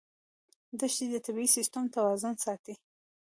دښتې د طبعي سیسټم توازن ساتي.